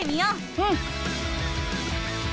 うん。